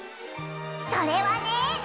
それはね。